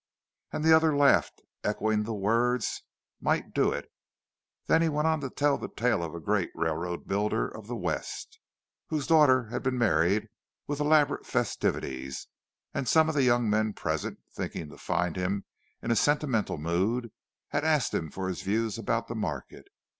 And the other laughed, echoing the words, "Might do it!" Then he went on to tell the tale of the great railroad builder of the West, whose daughter had been married, with elaborate festivities; and some of the young men present, thinking to find him in a sentimental mood, had asked him for his views about the market.